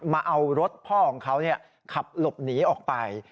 มาเอารถพ่อของเขาขับหลบหนีออกไป